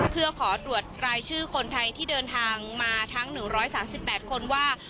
เพื่อขอตรวจรายชื่อคนไทยที่เดินทางมาทั้ง๑๓๘คนว่า